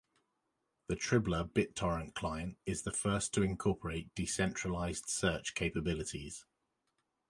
The Tribler BitTorrent client is the first to incorporate decentralized search capabilities.